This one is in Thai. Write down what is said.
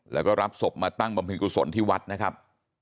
แล้วก็รับศพมาตั้งบำเพ็ญกุศลที่วัดนะครับ